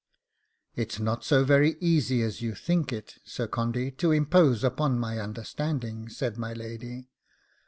'It's not so very easy as you think it, Sir Condy, to impose upon my understanding,' said my lady.